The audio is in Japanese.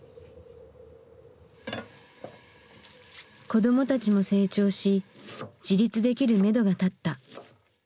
子どもたちも成長し自立できるめどが立った。